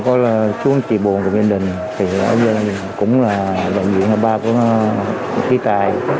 có xuống trị buồn của gia đình ở đây cũng là động viên ba của thủy tài